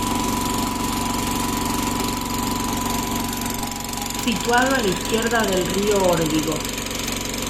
Situado a la izquierda del río Órbigo.